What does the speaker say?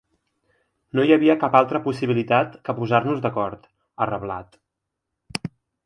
No hi havia cap altra possibilitat que posar-nos d’acord, ha reblat.